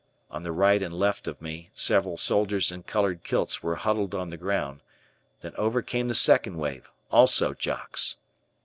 On the right and left of me several soldiers in colored kilts were huddled on the ground, then over came the second wave, also "Jocks."